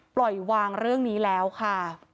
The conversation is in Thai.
ปล่อยวางเรื่องนี้แล้วค่ะ